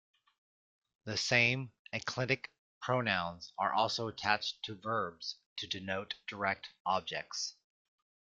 The same enclitic pronouns are also attached to verbs to denote direct objects.